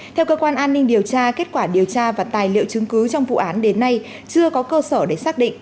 theo cơ quan an ninh điều tra kết quả điều tra và tài liệu chứng cứ trong vụ án đến nay chưa có cơ sở để xác định